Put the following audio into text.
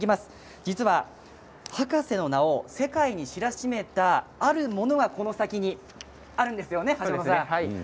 実は、博士の名前を世界に知らしめた、あるものがこの先にあるんですよね。